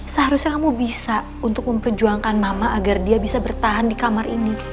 seharusnya kamu bisa untuk memperjuangkan mama agar dia bisa bertahan di kamar ini